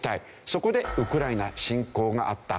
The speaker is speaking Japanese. そこでウクライナ侵攻があった。